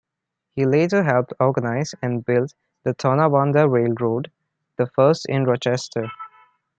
He later helped organize and build the Tonawanda Railroad, the first in Rochester.